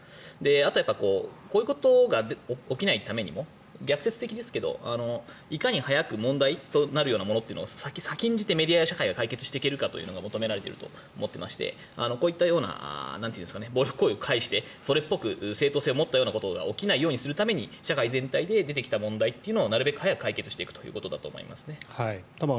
あとはこういうことが起きないためにも逆説的ですけどいかに早く問題となるようなものを先んじてメディアや社会が解決していけるかというのを求められていると思っていましてこういった暴力行為を介してそれっぽく正当性を持ったようなことが起きないようにするために社会問題で、出てきた問題をなるべく早く解決していくということだと思いますね。